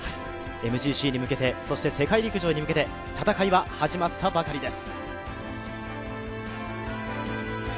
ＭＧＣに向けて世界陸上に向けて戦いは始まったばかりです。